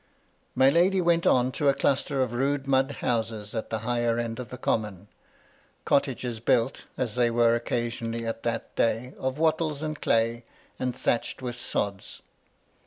My lady went on to a cluster of rude mud houses at the higher end of the Common ; cottages built, as they were occasionally at that day, of wattles and clay, and thatched with sods.